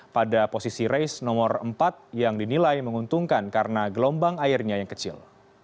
pada posisi race nomor empat yang dinilai menguntungkan karena gelombang airnya yang kecil